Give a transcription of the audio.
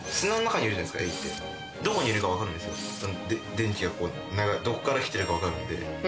電気がどこから来てるか分かるので。